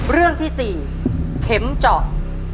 เรื่องที่๔เข็มเจาะ